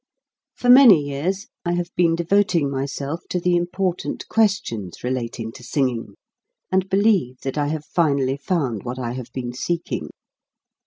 For many years I have been devoting my self to the important questions relating to singing, and believe that I have finally found what I have been seeking.